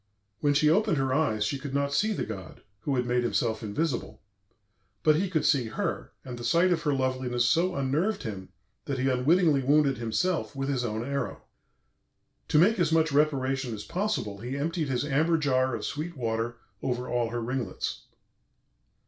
When she opened her eyes she could not see the god, who had made himself invisible, but he could see her, and the sight of her loveliness so unnerved him that he unwittingly wounded himself with his own arrow. To make as much reparation as possible he emptied his amber jar of sweet water over all her ringlets.